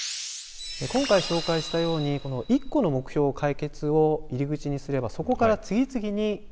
今回紹介したようにこの一個の目標解決を入り口にすればそこから次々になるほどね。